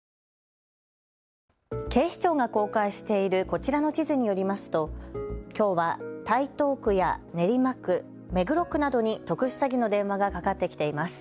警視庁が公開しているこちらの地図によりますときょうは台東区や練馬区、目黒区などに特殊詐欺の電話がかかってきています。